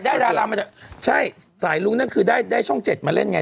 ดารามาจากใช่สายรุ้งนั่นคือได้ได้ช่องเจ็ดมาเล่นไง